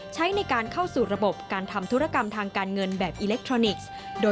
ใช้ในการเข้าสู่ระบบการทำธุรกรรมทางการเงินแบบอิเล็กทรอนิกส์